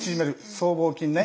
僧帽筋ね。